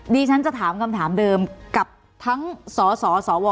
ดิฉันจะถามคำถามเดิมกับทั้งสสว